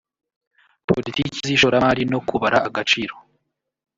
politiki z ishoramari no kubara agaciro